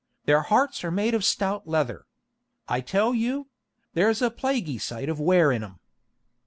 Their hearts are made of stout leather, I tell you; there's a plaguy sight of wear in 'em.